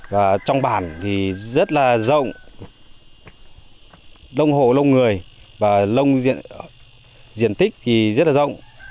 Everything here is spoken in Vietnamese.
và trong bản thì rất là rộng đông hồ lông người và lông diện tích thì rất là rộng